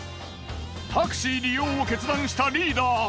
タクシー利用を決断したリーダー。